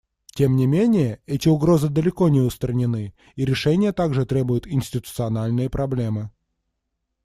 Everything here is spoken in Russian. Тем не менее, эти угрозы далеко не устранены, и решения требуют также институциональные проблемы.